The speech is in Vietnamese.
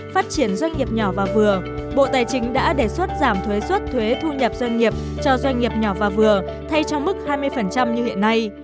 phát triển doanh nghiệp nhỏ và vừa bộ tài chính đã đề xuất giảm thuế xuất thuế thu nhập doanh nghiệp cho doanh nghiệp nhỏ và vừa thay trong mức hai mươi như hiện nay